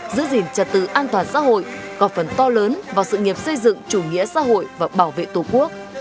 giữ gìn trật tự an toàn xã hội góp phần to lớn vào sự nghiệp xây dựng chủ nghĩa xã hội và bảo vệ tổ quốc